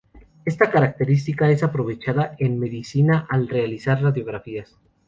Esta característica es aprovechada en medicina al realizar radiografías.